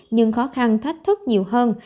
nhưng khó khăn thách thức nhiều hơn